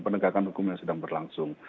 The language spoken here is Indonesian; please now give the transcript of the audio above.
penegakan hukum yang sedang berlangsung